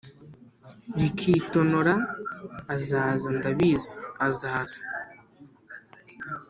rikitonora azaza ndabizi azaza.